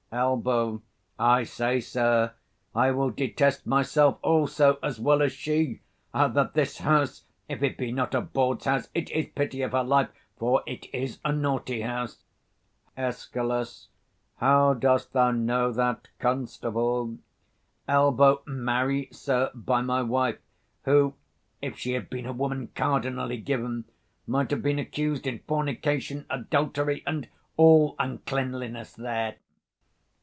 Elb. I say, sir, I will detest myself also, as well as she, that this house, if it be not a bawd's house, it is pity of her life, for it is a naughty house. Escal. How dost thou know that, constable? 75 Elb. Marry, sir, by my wife; who, if she had been a woman cardinally given, might have been accused in fornication, adultery, and all uncleanliness there.